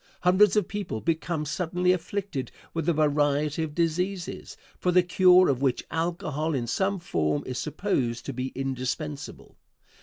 Hundreds of people become suddenly afflicted with a variety of diseases, for the cure of which alcohol in some form is supposed to be indispensable.